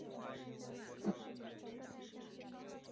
暴露在外的白垩纪页岩和砂岩被雕刻成了壮观的荒野景象。